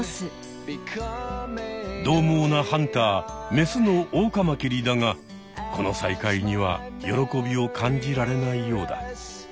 どうもうなハンターメスのオオカマキリだがこの再会には喜びを感じられないようだ。